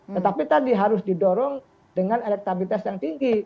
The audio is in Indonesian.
tetapi tadi harus didorong dengan elektabilitas yang tinggi